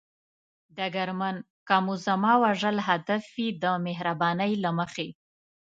ډګرمن: که مو زما وژل هدف وي، د مهربانۍ له مخې.